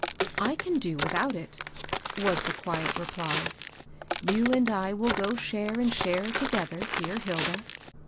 " I can do without it," was the quiet reply. " You and I will go share and share together, dear Hilda."